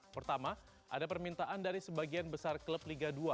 pertama ada permintaan dari sebagian besar klub liga dua